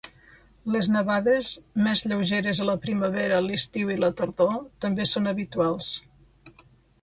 Les nevades més lleugeres a la primavera, l'estiu i la tardor també són habituals.